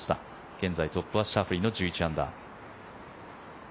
現在トップはシャフリーの１１アンダー。